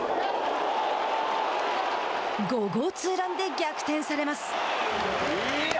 ５号ツーランで逆転されます。